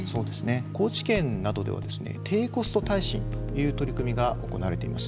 高知県などではですね低コスト耐震という取り組みが行われています。